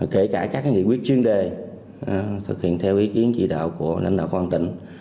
kể cả các nghị quyết chuyên đề thực hiện theo ý kiến chỉ đạo của lãnh đạo quan tình